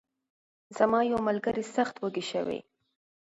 زما یو ملګری سخت وږی شوی.